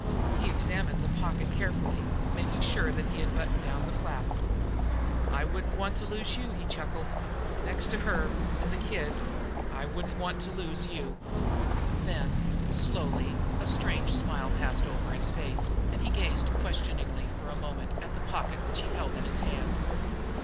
He examined the pocket carefully, making sure that he had buttoned down the flap. "I wouldn't want to lose you," he chuckled. "Next to her, an' the kid, I wouldn't want to lose you!" Then, slowly, a strange smile passed over his face, and he gazed questioningly for a moment at the pocket which he held in his hand.